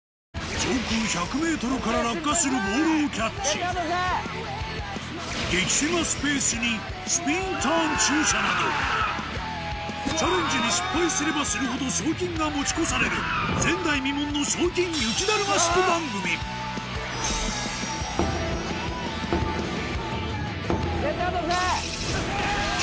上空１００ｍから落下するボールをキャッチ激狭スペースにスピンターン駐車などチャレンジに失敗すればするほど賞金が持ち越される前代未聞の賞金雪だるま式番組絶対落とせ！